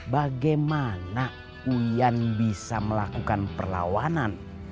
bagaimana uyan bisa melakukan perlawanan